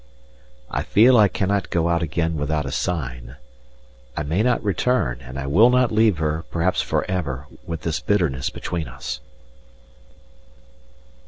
I feel I cannot go out again without a sign I may not return, and I will not leave her, perhaps for ever, with this bitterness between us.